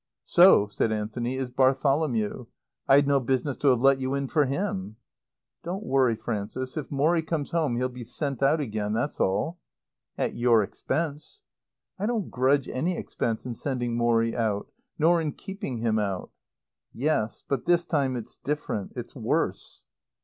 "So," said Anthony, "is Bartholomew. I'd no business to have let you in for him." "Don't worry, Frances. If Morrie comes home he'll be sent out again, that's all." "At your expense." "I don't grudge any expense in sending Morrie out. Nor in keeping him out." "Yes. But this time it's different. It's worse."